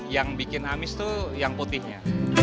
yang bikin amis itu yang putihnya